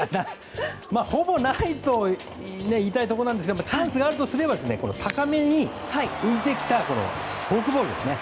ほぼないと言いたいところなんですがチャンスがあるとすれば高めに浮いてきたフォークボールですね。